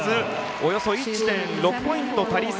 およそ１．６ポイント足りず。